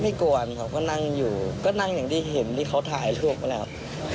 กวนเขาก็นั่งอยู่ก็นั่งอย่างที่เห็นที่เขาถ่ายรูปไปแล้วครับ